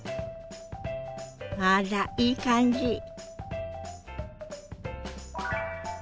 あらいい感じ。